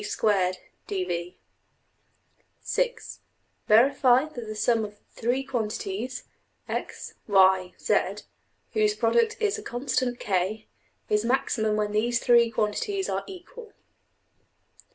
\Item{(6)} Verify that the sum of three quantities $x$,~$y$,~$z$, whose product is a constant~$k$, is maximum when these three quantities are equal.